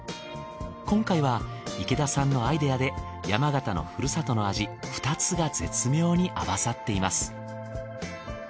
今回は池田さんのアイデアで山形のふるさとの味２つが絶妙に合わさっています。